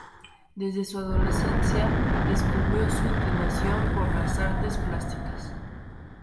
Desde su adolescencia descubrió su inclinación por las artes plásticas.